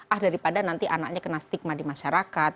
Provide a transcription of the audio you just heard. ah daripada nanti anaknya kena stigma di masyarakat